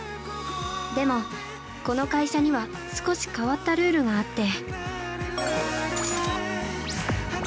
でも、私が働く会社には少し変わったルールがあって。